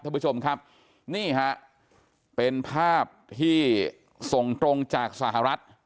ท่านผู้ชมครับนี่ฮะเป็นภาพที่ส่งตรงจากสหรัฐ